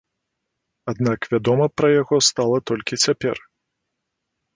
Аднак вядома пра яго стала толькі цяпер.